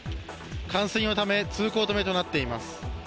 冠水のため通行止めとなっています。